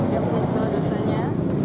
yang punya segala dosanya